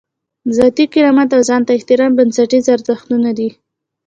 ذاتي کرامت او ځان ته احترام بنسټیز ارزښتونه دي.